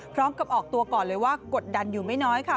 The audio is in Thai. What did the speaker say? พร้อมกับออกตัวก่อนเลยว่ากดดันอยู่ไม่น้อยค่ะ